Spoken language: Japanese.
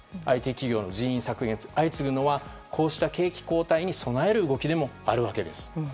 ＩＴ企業の人員削減が相次ぐのはこうした景気後退に備える動きでもあるんです。